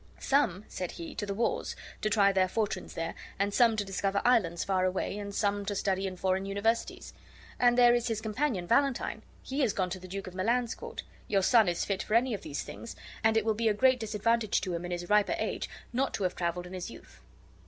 "Some," said he, "to the wars, to try their fortunes there, and some to discover islands far away, and some to study in foreign universities. And there is his companion Valentine; he is gone to the Duke of Milan's court. Your son is fit for any of these things, and it will be a great disadvantage to him in his riper age not to have traveled in his youth."